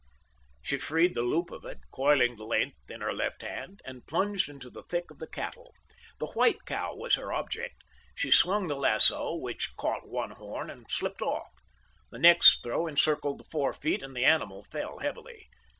She freed the loop of it, coiling the length in her left hand, and plunged into the thick of the cattle. The white cow was her object. She swung the lasso, which caught one horn and slipped off. The next throw encircled the forefeet and the animal fell heavily.